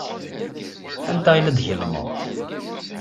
Anta ay la d-tgellmed?